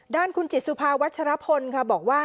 ด้านคุณจิตสุภาวัชรพลค่ะบอกว่า